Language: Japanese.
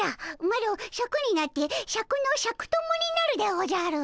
マロシャクになってシャクのシャク友になるでおじゃる。